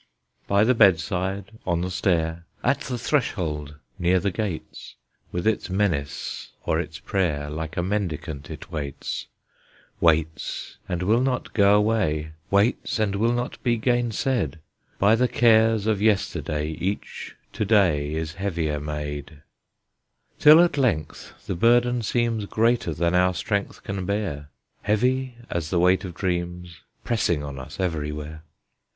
By the bedside, on the stair, At the threshold, near the gates, With its menace or its prayer, Like a mendicant it waits; Waits, and will not go away; Waits, and will not be gainsaid; By the cares of yesterday Each to day is heavier made; Till at length the burden seems Greater than our strength can bear, Heavy as the weight of dreams, Pressing on us everywhere.